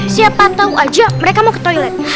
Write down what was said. siapa tau aja mereka mau ke toilet